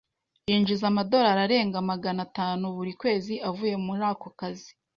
Yinjiza amadorari arenga magana tanu buri kwezi avuye muri ako kazi.